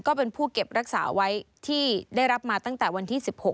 ก็เป็นผู้เก็บรักษาไว้ที่ได้รับมาตั้งแต่วันที่๑๖